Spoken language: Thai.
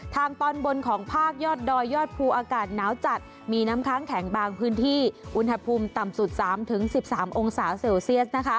ทางตอนบนของภาคยอดดอยยอดภูอากาศหนาวจัดมีน้ำค้างแข็งบางพื้นที่อุณหภูมิต่ำสุด๓๑๓องศาเซลเซียส